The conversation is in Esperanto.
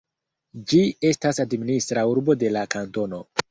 Ĝi estas administra urbo de la kantono.